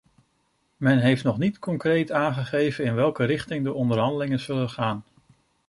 Men heeft nog niet concreet aangegeven in welke richting de onderhandelingen zullen gaan.